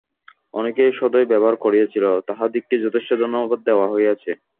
অনেকেই সদয় ব্যবহার করিয়াছিল, তাহাদিগকে যথেষ্ট ধন্যবাদ দেওয়া হইয়াছে।